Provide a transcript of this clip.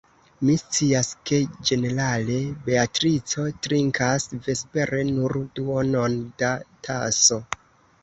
Mi scias, ke ĝenerale Beatrico trinkas vespere nur duonon da taso.